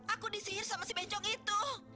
aku disihir sama si bencong itu